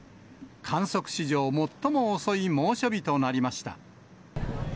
観測史上最も遅い猛暑日となりました。